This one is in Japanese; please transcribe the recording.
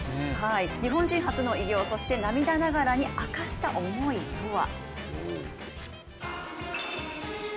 日本人初の偉業、そして涙ながらに明かした思いとは。